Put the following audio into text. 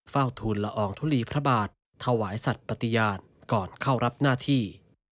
ทูลละอองทุลีพระบาทถวายสัตว์ปฏิญาณก่อนเข้ารับหน้าที่